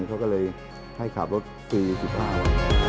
เขาก็เลยให้ขับรถฟรี๑๕วัน